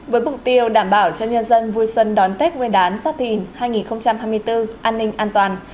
với mục tiêu đảm bảo cho nhân dân vui xuân đón tết nguyên đán giáp thìn hai nghìn hai mươi bốn an ninh an toàn